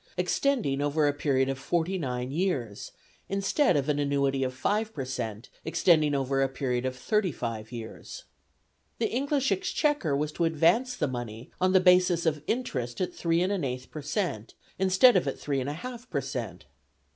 extending over a period of forty nine years, instead of an annuity of 5 per cent. extending over a period of thirty five years. The English Exchequer was to advance the money on the basis of interest at 3 1/8 per cent., instead of at 3 1/2 per cent.